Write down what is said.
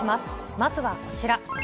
まずはこちら。